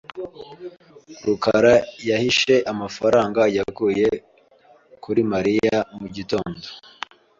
rukara yahishe amafaranga yakuye kuri Mariya mu gitabo .